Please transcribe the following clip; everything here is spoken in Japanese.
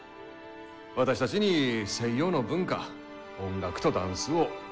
私たちに西洋の文化音楽とダンスを教えてくださいます。